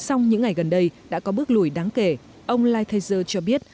ông lighthizer cho biết